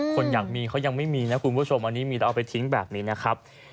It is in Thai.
คนอยากมีเขายังไม่มีนะคุณผู้ชมอันนี้มีแต่เอาไปทิ้งแบบนี้นะครับ